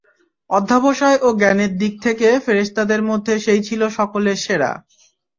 অধ্যবসায় ও জ্ঞানের দিক থেকে ফেরেশতাদের মধ্যে সেই ছিল সকলের সেরা।